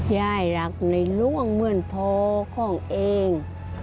ยายรักในหลวงเหมือนพ่อของเอง